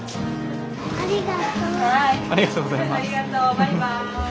ありがとうございます。